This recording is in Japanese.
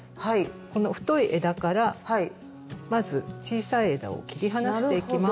この太い枝からまず小さい枝を切り離していきます。